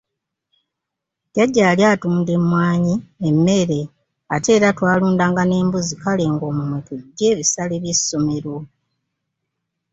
Jjajja yali atunda emmwanyi, emmere ate era twalundanga n'embuzi kale ng'omwo mwe tuggya ebisale by'essomero.